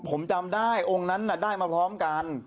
ผมจำได้องค์นั้นได้มาพร้อมกัน